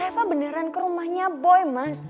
eva beneran ke rumahnya boy mas